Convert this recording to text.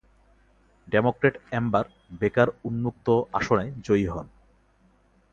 Democrat Amber Baker উন্মুক্ত আসনে জয়ী হন।